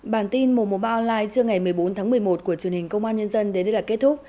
bản tin mùa mùa online trưa ngày một mươi bốn tháng một mươi một của truyền hình công an nhân dân đến đây là kết thúc